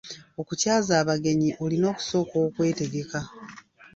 Okukyaza abagenyi olina okusooka okwetegeka.